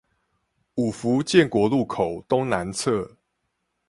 五福建國路口東南側